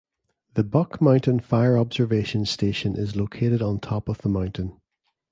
The Buck Mountain Fire Observation Station is located on top of the mountain.